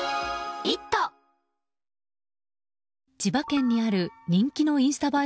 千葉県にある人気のインスタ映え